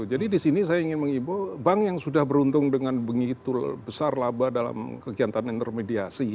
jadi disini saya ingin mengimbau bank yang sudah beruntung dengan begitu besar laba dalam kegiatan intermediasi